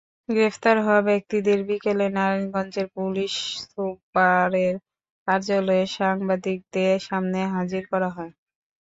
গ্রেপ্তার হওয়া ব্যক্তিদের বিকেলে নারায়ণগঞ্জের পুলিশ সুপারের কার্যালয়ে সাংবাদিকদের সামনে হাজির করা হয়।